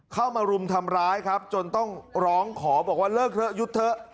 เข้ามารุมทำร้ายครับจนต้องร้องขอบอกว่าเลิกเถอะหยุดเถอะ